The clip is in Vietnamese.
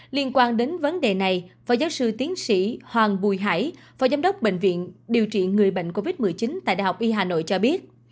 liên quan đến vấn đề này phó giáo sư tiến sĩ hoàng bùi hải phó giám đốc bệnh viện điều trị người bệnh covid một mươi chín tại đại học y hà nội cho biết